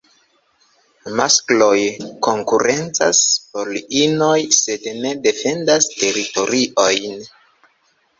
Maskloj konkurencas por inoj sed ne defendas teritoriojn.